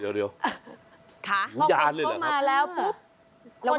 หูยานเลยเหรอครับ